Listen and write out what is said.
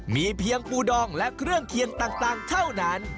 มีเพียงปูดองและเครื่องเคียงต่างเท่านั้น